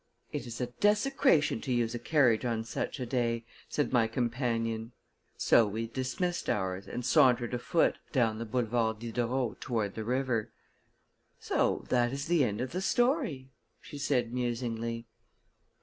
"It is a desecration to use a carriage on such a day," said my companion: so we dismissed ours and sauntered afoot down the Boulevard Diderot toward the river. "So that is the end of the story," she said musingly.